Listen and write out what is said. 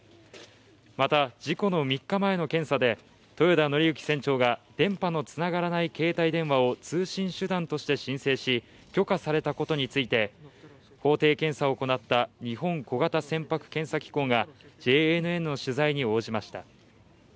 また、事故の３日前の検査で豊田徳幸船長が電波のつながらない携帯電話を通信手段として申請し、許可されたことについて法定検査を行った日本小型船舶検査機構がＪＮＮの取材に応じました。